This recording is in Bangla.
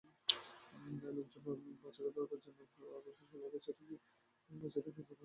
লোকজন বাচ্চাকে ধরে আনার জন্যে অগ্রসর হলে বাচ্চাটি পাহাড়ে উঠে যায়।